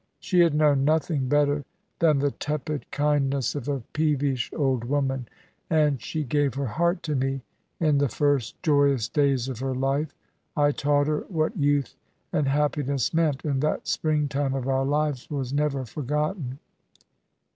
She had known nothing better than the tepid kindness of a peevish old woman, and she gave her heart to me in the first joyous days of her life, I taught her what youth and happiness meant; and that spring time of our lives was never forgotten.